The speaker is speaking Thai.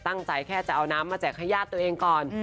ตั้งใจแค่จะเอาน้ำมาแจกให้ญาติตัวเองก่อน